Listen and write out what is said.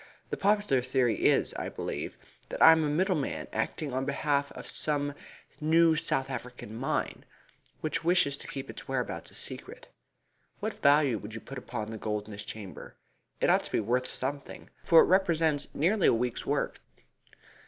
The popular theory is, I believe, that I am a middleman acting on behalf of some new South African mine, which wishes to keep its whereabouts a secret. What value would you put upon the gold in this chamber? It ought to be worth something, for it represents nearly a week's work."